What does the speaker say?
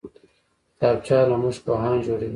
کتابچه له موږ پوهان جوړوي